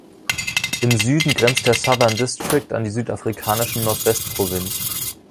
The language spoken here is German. Im Süden grenzt der Southern District an die südafrikanische Nordwest-Provinz.